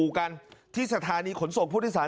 เผื่อกันที่สถานีขนศพพฤษฐาน